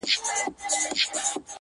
ماشوم وم چي بوډا کیسه په اوښکو لمبوله-